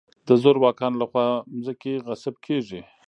د زورواکانو له خوا ځمکې غصب کېږي.